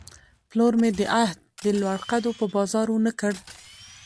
پلور مې د عهد، د لوړ قدو په بازار ونه کړ